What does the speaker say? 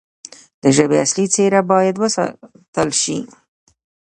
د ژبې اصلي څیره باید وساتل شي.